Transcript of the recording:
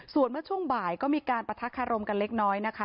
ส่วนเมื่อช่วงบ่ายก็มีการประทักคารมกันเล็กน้อยนะคะ